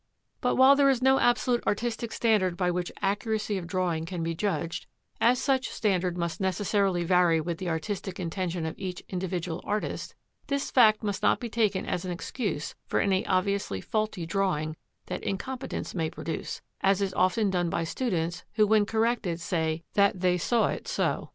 But while there is no absolute artistic standard by which accuracy of drawing can be judged, as such standard must necessarily vary with the artistic intention of each individual artist, this fact must not be taken as an excuse for any obviously faulty drawing that incompetence may produce, as is often done by students who when corrected say that they "saw it so."